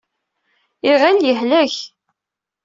Iɣil yehlek.